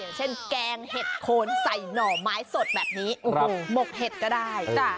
อย่างเช่นแกงเห็ดโคนใส่หน่อไม้สดแบบนี้หมกเห็ดก็ได้